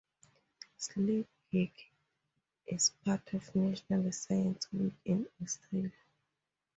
Sleek Geek is part of National Science Week in Australia.